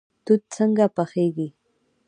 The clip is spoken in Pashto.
توت څنګه پخیږي؟